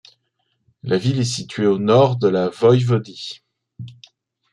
La ville est située au nord de la voïvodie.